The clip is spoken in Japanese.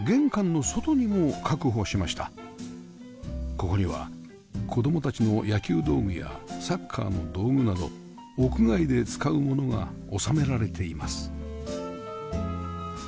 ここには子供たちの野球道具やサッカーの道具など屋外で使うものが収められています